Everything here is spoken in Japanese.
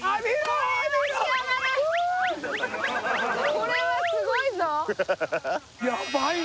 これはすごいぞ！